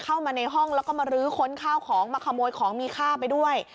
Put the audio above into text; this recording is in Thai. เข้ามาในห้องแล้วก็มารื้อค้นข้าวของมาขโมยของมีค่าไปด้วย